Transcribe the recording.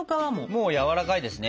もうやわらかいですね